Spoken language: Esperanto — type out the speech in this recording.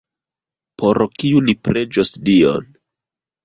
Por kiu ni preĝos Dion?